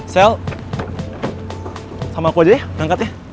sel sama aku aja ya berangkat ya